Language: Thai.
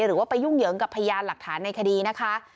หรือว่าไปยุ่งเหยิงกับพยานหลักฐานในคดีนะคะ